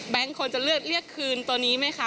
แบงค์คนจะเลือกคืนตัวนี้ไหมคะ